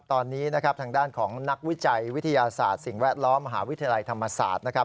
ตอนนี้นะครับทางด้านของนักวิจัยวิทยาศาสตร์สิ่งแวดล้อมมหาวิทยาลัยธรรมศาสตร์นะครับ